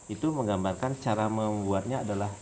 itu menggambarkan cara membuatnya adalah